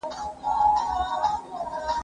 زه بايد واښه راوړم!